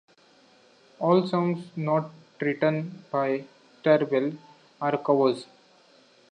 All songs not written by Thirlwell are covers.